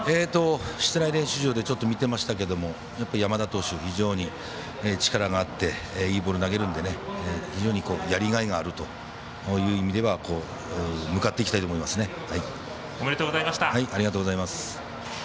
室内練習場で見ていましたがやっぱり山田投手は非常に力のあっていいボールを投げるので非常にやりがいがあるという意味では向かっていきたいと思いますね。